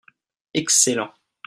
excellent.